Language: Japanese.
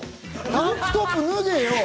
タンクトップ脱げよ！